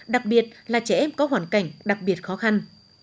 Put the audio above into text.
đặc biệt là trẻ em có hoàn cảnh đặc biệt khó khăn